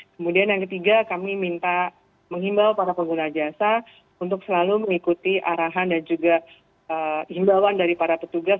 kemudian yang ketiga kami minta menghimbau para pengguna jasa untuk selalu mengikuti arahan dan juga imbauan dari para petugas